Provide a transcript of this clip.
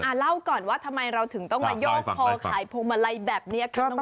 เล่าก่อนว่าทำไมเราถึงต้องมาโยกคอขายพวงมาลัยแบบนี้ครับ